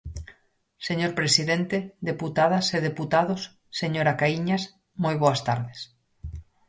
Señor presidente, deputadas e deputados, señora Caíñas, moi boas tardes.